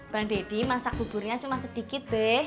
bang deddy masak buburnya cuma sedikit deh